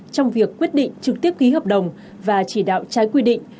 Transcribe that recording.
trong việc quyết định trực tiếp ký hợp đồng và chỉ đạo trái quy định